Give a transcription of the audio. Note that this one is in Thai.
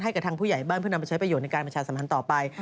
ให้กับทางผู้ใหญ่บ้านเพื่อนำไปใช้ประโยชน์ในการประชาสัมพันธ์ต่อไป